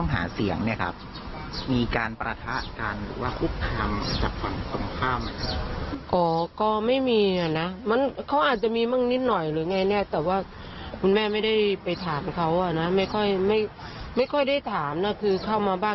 หรือยังไงแน่แต่ว่าคุณแม่ไม่ได้ไปถามเข้าไม่ค่อยได้ถามคือเข้ามาบ้าน